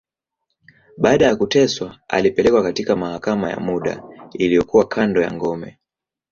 Baada ya kuteswa, alipelekwa katika mahakama ya muda, iliyokuwa kando ya ngome.